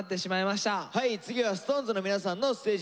次はＳｉｘＴＯＮＥＳの皆さんのステージです。